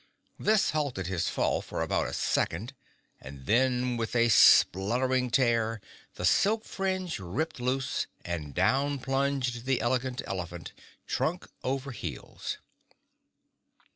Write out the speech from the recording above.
This halted his fall for about a second and then with a spluttering tear the silk fringe ripped loose and down plunged the Elegant Elephant, trunk over heels.